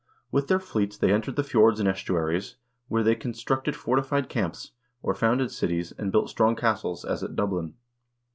With their fleets they entered the fjords and estuaries, where they constructed fortified camps, or founded cities, and built strong castles, as at Dublin.